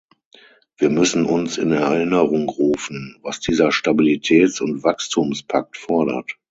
Wir müssen uns in Erinnerung rufen, was dieser Stabilitäts- und Wachstumspakt fordert.